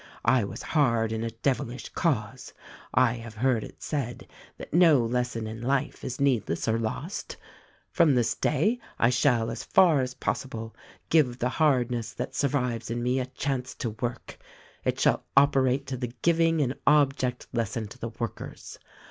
I was hard in a devilish cause. I have heard it said that no lesson of life is needless or lost. From this day I shall as far as possible give the hardness that survives in me a chance to work. It shall operate to the giving an object lesson to the workers.